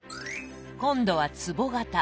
今度はつぼ型。